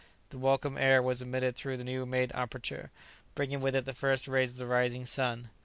The welcome air was admitted through the new made aperture, bringing with it the first rays of the rising sun.